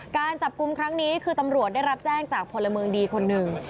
การจับกลุ่มครั้งนี้คือตำรวจได้รับแจ้งจากพลเมืองดีคนหนึ่ง